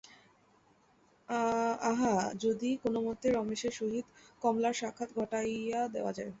আহা, যদি কোনোমতে রমেশের সহিত কমলার সাক্ষাৎ ঘটাইয়া দেওয়া যায়।